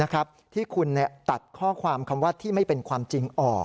ที่คุณตัดข้อความคำว่าที่ไม่เป็นความจริงออก